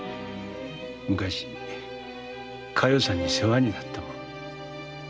昔加代さんに世話になった者。